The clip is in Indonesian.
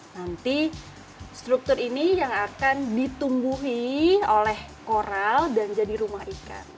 nanti struktur ini yang akan ditumbuhi oleh koral dan jadi rumah ikan